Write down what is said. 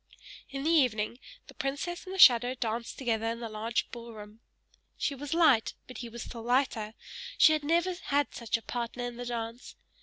In the evening, the princess and the shadow danced together in the large ball room. She was light, but he was still lighter; she had never had such a partner in the dance.